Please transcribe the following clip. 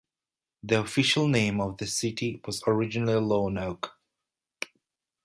The official name of the city was originally Lone Oak.